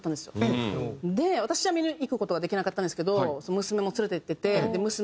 で私は見に行く事ができなかったんですけど娘も連れていってて娘